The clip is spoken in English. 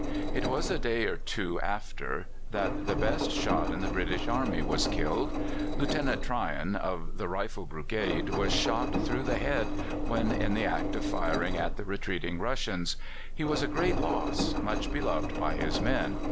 It was a day or two after that the best shot in the British Army was killed. Lieutenant Tryon, of the Rifle Brigade, was shot through the head when in the act of firing at the retreating Russians. He was a great loss, much beloved by his men.